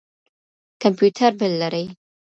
کمپيوټر بِل لري.